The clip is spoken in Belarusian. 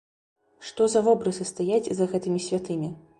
Што за вобразы стаяць за гэтымі святымі?